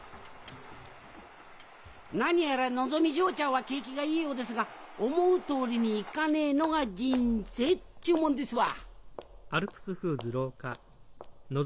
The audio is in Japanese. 何やらのぞみ嬢ちゃんは景気がいいようですが思うとおりにいかねえのが人生っちゅうもんですわ